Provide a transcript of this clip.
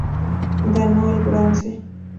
Ganó el bronce.